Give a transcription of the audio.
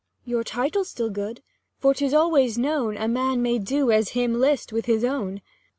Your title's good still : for 'tis always known, A man may do as him list with his own.